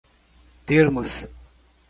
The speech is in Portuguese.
termos